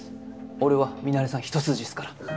俺はミナレさん一筋っすから！